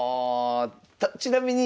ちなみにあ